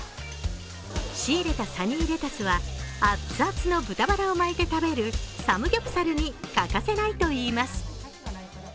仕入れたサニーレタスは熱々の豚ばらを巻いて食べるサムギョプサルに欠かせないと言います。